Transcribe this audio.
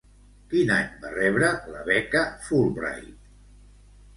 Quin any va rebre la Beca Fulbright?